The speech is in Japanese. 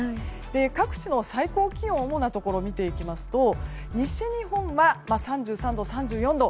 各地の最高気温主なところ見ていきますと西日本は３３度、３４度。